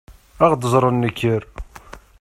Ad ɣ-d-ẓren nekker.